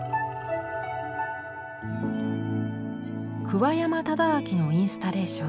桑山忠明のインスタレーション。